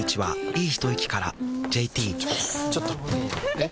えっ⁉